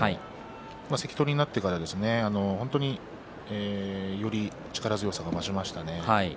関取になってからより力強さが増しました。